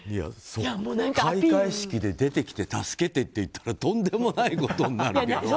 開会式で出てきて助けて！って言ったらとんでもないことになるよ。